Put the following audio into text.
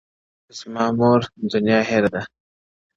زما مور ـ دنيا هېره ده ـ